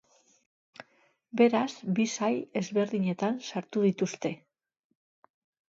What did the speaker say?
Beraz, bi sail ezberdinetan sartu dituzte.